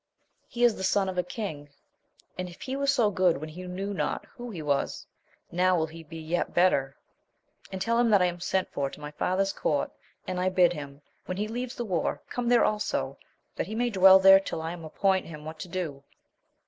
He is the son of a king, and, if he was so good when he knew not who he was, now will he be yet better. And tell him that I am sent for to my father's court, and I bid him, when he leaves the war, come there also, that he may dwell there till I appoint him what to do.